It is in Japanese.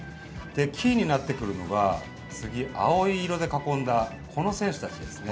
キーになってくるのが次、青色で囲んだ、この選手たちですね。